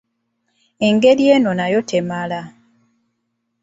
Engeri eno nayo temala.